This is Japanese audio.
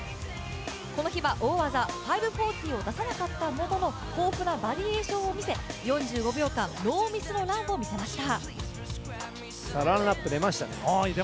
この日は大技５４０を出さなかったものの、豊富なバリエーションを見せ４５秒間、ノーミスのランを見せました。